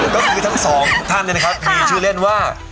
ก็คือทั้งสองท่านเนี่ยนะครับมีชื่อเล่นว่า